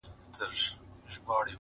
راڅخه زړه وړي رانه ساه وړي څوك.